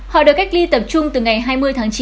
họ được cách ly tập trung từ ngày hai mươi tháng chín